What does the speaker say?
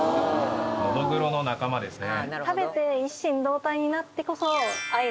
ノドグロの仲間ですね。